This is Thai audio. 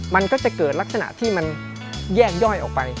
มันก็จะเกิดลักษณะที่มันแยกย่อยออกไป